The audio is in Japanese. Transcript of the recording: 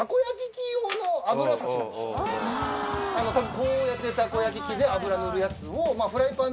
こうやってたこ焼き器で油塗るやつを。